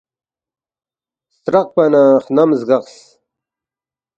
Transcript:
سترقپا نہ خنم زگقس